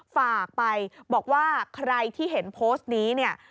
ฝากไปบอกว่าใครที่เห็นโพสต์นี้เนี่ย